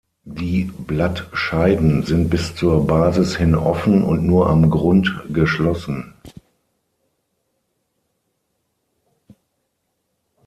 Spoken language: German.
Die Blattscheiden sind bis zur Basis hin offen und nur am Grund geschlossen.